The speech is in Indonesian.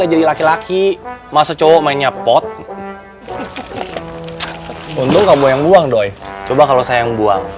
jadi laki laki masa cowok mainnya pot untuk kamu yang buang doi coba kalau sayang buang